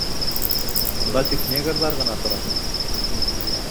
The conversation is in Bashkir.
Унда тик негрҙар ғына тора.